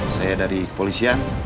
saya dari kepolisian